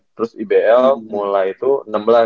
terus ibl mulai tuh enam belas